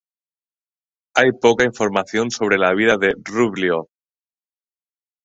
Hay poca información sobre la vida de Rubliov.